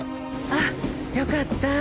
あっよかった。